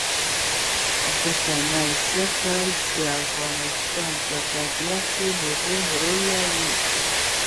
ځمکنی شکل د افغانستان په طبیعت کې مهم رول لري.